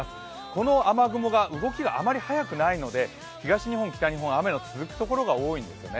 この雨雲が動きがあまり速くないので東日本、北日本、雨の続くところが多いんですね。